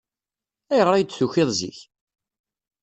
Ayɣer ay d-tukiḍ zik?